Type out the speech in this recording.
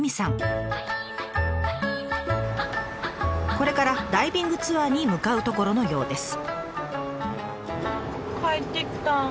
これからダイビングツアーに向かうところのようです。